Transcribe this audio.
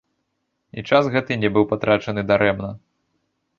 І час гэты не быў патрачаны дарэмна.